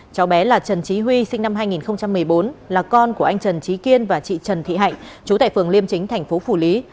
cháu bé là trần trí huy sinh năm hai nghìn một mươi bốn là con của anh trần trí kiên và chị trần thị hạnh chú tại phường liêm chính thành phố phủ lý